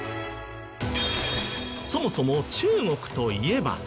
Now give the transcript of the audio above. そもそも中国といえば。